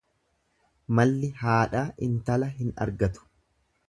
Malli haadhaa intala hin argatu.